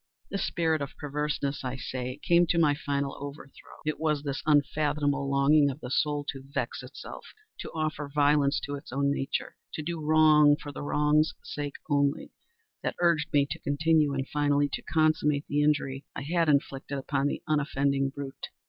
This spirit of perverseness, I say, came to my final overthrow. It was this unfathomable longing of the soul to vex itself—to offer violence to its own nature—to do wrong for the wrong's sake only—that urged me to continue and finally to consummate the injury I had inflicted upon the unoffending brute.